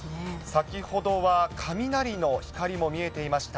先ほどは雷の光も見えていました。